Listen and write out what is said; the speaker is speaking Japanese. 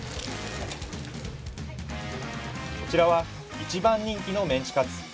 こちらは一番人気のメンチカツ。